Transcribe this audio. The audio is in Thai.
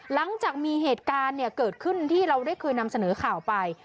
หลังจากมีเหตุการณ์เกิดขึ้นที่เราได้เคยนำเสนอข่าวไป